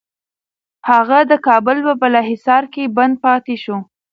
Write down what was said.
هغه د کابل په بالاحصار کي بند پاتې شو.